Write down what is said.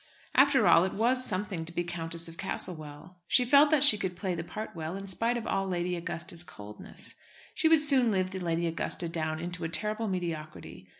After all, it was something to be Countess of Castlewell. She felt that she could play the part well, in spite of all Lady Augusta's coldness. She would soon live the Lady Augusta down into a terrible mediocrity.